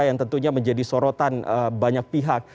yang tentunya menjadi sorotan banyak pihak